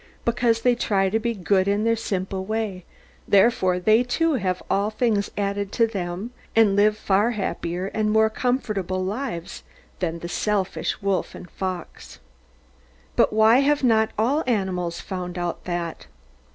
Because they try to be good in their simple way, therefore they too have all things added to them, and live far happier, and more comfortable lives than the selfish wolf and fox. But why have not all animals found out that?